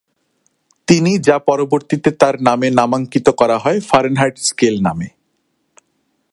তিনি যা পরবর্তীতে তার নামে নামাঙ্কিত করা হয় ফারেনহাইট স্কেল নামে।